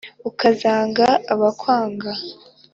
ukazanga abakwanga